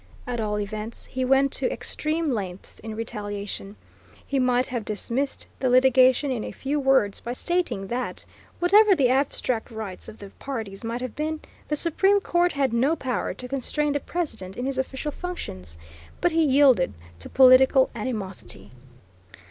At all events he went to extreme lengths in retaliation. He might have dismissed the litigation in a few words by stating that, whatever the abstract rights of the parties might have been, the Supreme Court had no power to constrain the President in his official functions; but he yielded to political animosity.